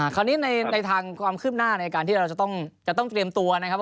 คราวนี้ในทางความคืบหน้าในการที่เราจะต้องเตรียมตัวนะครับ